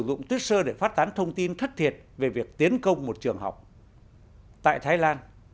sử dụng twitter để phát tán thông tin thất thiệt về việc tiến công một trường học tại thái lan